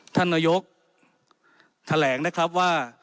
ท่านนายกแถลงนะครับว่า